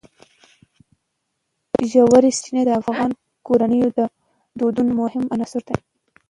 ژورې سرچینې د افغان کورنیو د دودونو مهم عنصر دی.